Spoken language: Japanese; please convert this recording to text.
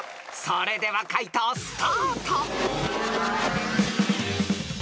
［それでは解答スタート］